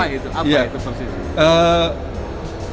apa itu apa itu prosesnya